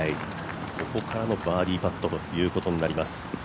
ここからのバーディーパットになります。